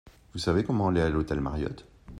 Vous savez comment aller à l’hôtel Mariott ?